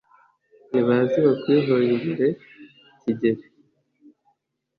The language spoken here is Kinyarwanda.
nibaze bakwihongere, kigeli